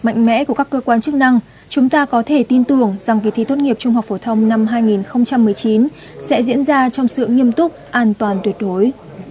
mạnh mẽ của các cơ quan chức năng chúng ta có thể tin tưởng rằng kỳ thi tốt nghiệp trung học phổ thông năm hai nghìn một mươi chín sẽ diễn ra trong sự nghiêm túc an toàn tuyệt đối